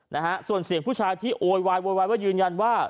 นะฮะส่วนเสียงผู้ชายที่โวยวายโวยวายว่ายืนยันว่า